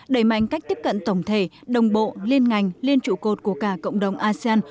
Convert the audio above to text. đẩy mạnh cách tiếp cận tổng thể đồng bộ liên ngành liên trụ cột của cả cộng đồng asean